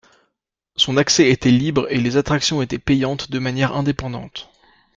Son accès était libre et les attractions étaient payantes de manière indépendantes.